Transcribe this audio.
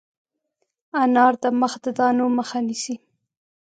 انار د مخ د دانو مخه نیسي.